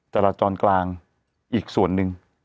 แต่ละจอนกลางอีกส่วนนึง